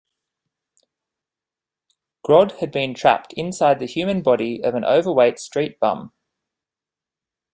Grodd had been trapped inside the human body of an overweight street bum.